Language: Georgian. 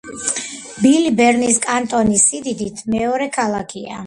ბილი ბერნის კანტონის სიდიდით მეორე ქალაქია.